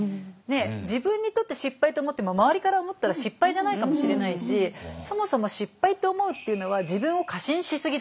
自分にとって失敗って思っても周りから思ったら失敗じゃないかもしれないしそもそも失敗と思うっていうのは自分を過信しすぎだと。